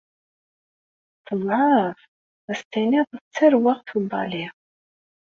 Teḍɛef ad s-tiniḍ d tarweɣt ubali.